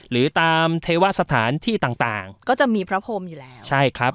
หรือตามเทวสถานที่ต่างต่างก็จะมีพระพรมอยู่แล้วใช่ครับ